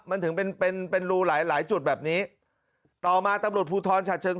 มันถึงเป็นเป็นรูหลายหลายจุดแบบนี้ต่อมาตำรวจภูทรฉัดเชิง